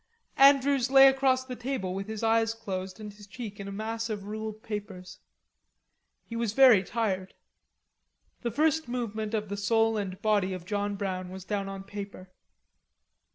Andrews lay across the table with his eyes closed and his cheek in a mass of ruled papers. He was very tired. The first movement of the "Soul and Body of John Brown" was down on paper.